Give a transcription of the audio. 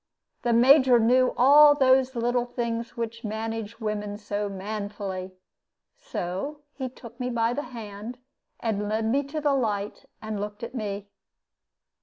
The Major knew all those little things which manage women so manfully. So he took me by the hand and led me to the light and looked at me.